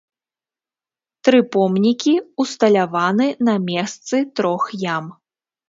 Тры помнікі ўсталяваны на месцы трох ям.